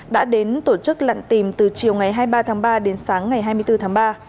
đã đến tổ chức lặn tìm từ chiều ngày hai mươi ba tháng ba đến sáng ngày hai mươi bốn tháng ba